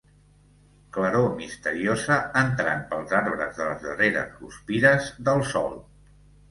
Claror misteriosa entrant pels arbres de les darreres guspires del sol